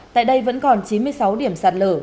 tại đây vẫn còn chín mươi sáu điểm sạt lở